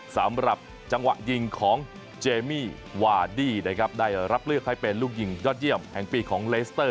สำหรับจังหวะยิงของเจมี่วาดี้นะครับได้รับเลือกให้เป็นลูกยิงยอดเยี่ยมแห่งปีของเลสเตอร์